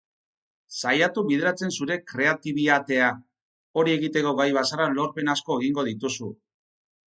Saiatu bideratzen zure kreatibiatea, hori egiteko gai bazara lorpen asko egingo dituzu.